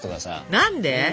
何で？